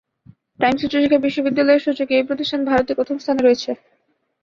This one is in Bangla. টাইমস উচ্চশিক্ষা বিশ্ববিদ্যালয়ের সূচকে এই প্রতিষ্ঠান ভারতে প্রথম স্থানে রয়েছে।